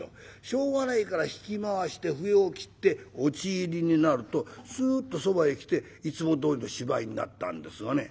しょうがないから引き回して笛を切って落入になるとすっとそばへ来ていつもどおりの芝居になったんですがね。